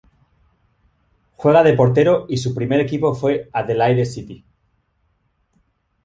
Juega de portero y su primer equipo fue Adelaide City.